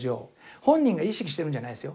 本人が意識してるんじゃないですよ。